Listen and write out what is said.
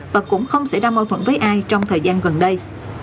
và cũng không xảy ra mâu thuẫn với ai trong thời gian gần đây